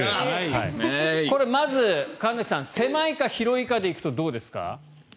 これまず、神崎さん狭いか広いかで行くとどうですか。